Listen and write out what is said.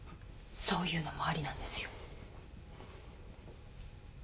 そういうのもありなんですよ。